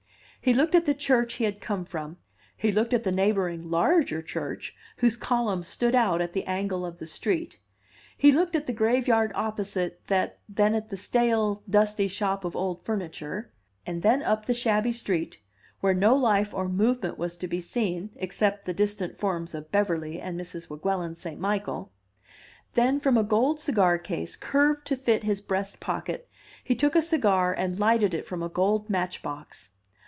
He looked at the church he had come from, he looked at the neighboring larger church whose columns stood out at the angle of the street; he looked at the graveyard opposite that, then at the stale, dusty shop of old furniture, and then up the shabby street, where no life or movement was to be seen, except the distant forms of Beverly and Mrs. Weguelin St. Michael. Then from a gold cigar case, curved to fit his breast pocket, he took a cigar and lighted it from a gold match box.